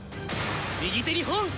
右手に本！